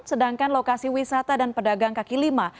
sedangkan lokasi wisata dan pedagang kaki lima